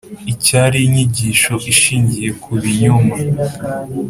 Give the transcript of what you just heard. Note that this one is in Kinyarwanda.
iracyari inyigisho ishingiye ku binyoma